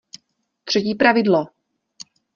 Třetí pravidlo!